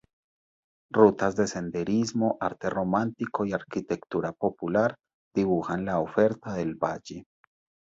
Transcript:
Rutas de senderismo, arte románico y arquitectura popular dibujan la oferta del valle.